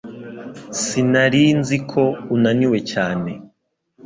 Sinari nzi ko unaniwe cyane